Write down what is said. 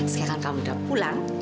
sekarang kamu udah pulang